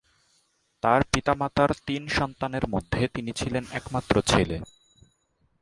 তাঁর পিতা-মাতার তিন সন্তানের মধ্যে তিনি ছিলেন একমাত্র ছেলে।